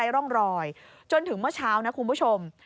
ร่องรอยจนถึงเมื่อเช้านะคุณผู้ชม